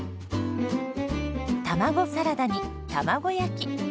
卵サラダに卵焼き。